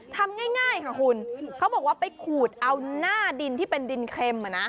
ทำง่ายค่ะคุณเขาบอกว่าไปขูดเอาหน้าดินที่เป็นดินเคลม